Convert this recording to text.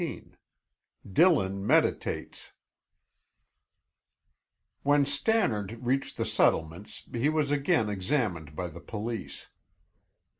XVII DILLON MEDITATES When Stannard reached the settlements he was again examined by the police.